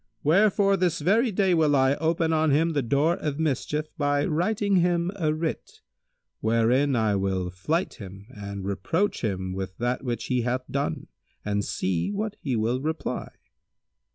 Wherefore this very day will I open on him the door of mischief by writing him a writ wherein I will flyte him and reproach him with that which he hath done and see what he will reply."